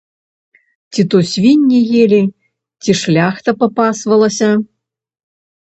Ці то свінні елі, ці шляхта папасвалася.